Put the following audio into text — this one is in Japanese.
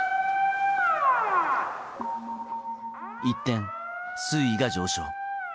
一転、水位が上昇。